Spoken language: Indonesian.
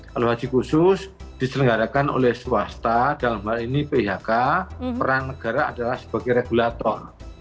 kalau haji khusus diselenggarakan oleh swasta dalam hal ini phk peran negara adalah sebagai regulator